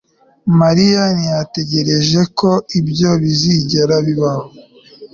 mariya ntiyatekereje ko ibyo bizigera bibaho